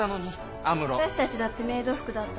わたしたちだってメイド服だったのに。